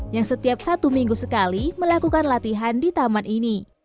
yang setiap satu minggu sekali melakukan latihan di taman ini